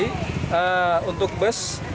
untuk berhubungan dengan bgp